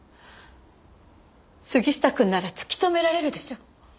杉下くんなら突き止められるでしょう？